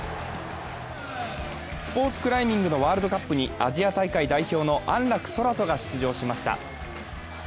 スポーツクライミングのワールドカップにアジア大会代表の安楽宙斗が出場しました。